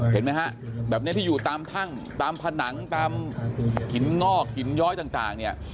เห็นไหมฮะแบบนี้ที่อยู่ตามถ้ำตามผนังตามหินงอกหินย้อยต่างเนี่ย